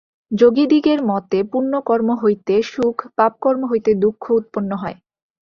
যোগীদিগের মতে পুণ্যকর্ম হইতে সুখ, পাপকর্ম হইতে দুঃখ উৎপন্ন হয়।